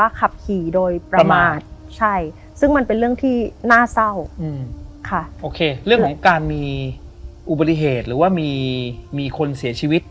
อุบัติเหตุหรือว่ามีคนเสียชีวิต